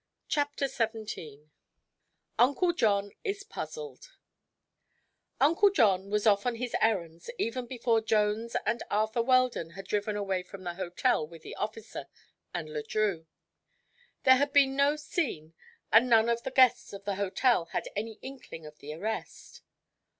CHAPTER XVII UNCLE JOHN IS PUZZLED Uncle John was off on his errands even before Jones and Arthur Weldon had driven away from the hotel with the officer and Le Drieux. There had been no "scene" and none of the guests of the hotel had any inkling of the arrest.